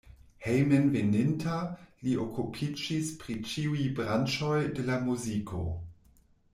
Hejmenveninta li okupiĝis pri ĉiuj branĉoj de la muziko.